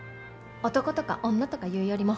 男とか女とか言うよりも。